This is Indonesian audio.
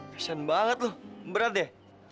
kesan banget lo berat ya